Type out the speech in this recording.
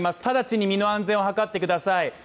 ただちに身の安全を図ってください。